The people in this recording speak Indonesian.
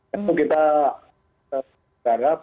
itu kita berharap